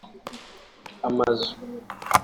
amazu